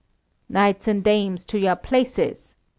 ] "Knights and dames to your places!"